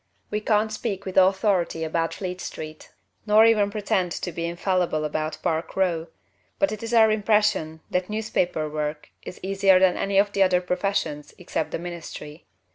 We can't speak with authority about Fleet Street, nor even pretend to be infallible about Park Row, but it is our impression that newspaper work is easier than any of the other professions except the ministry.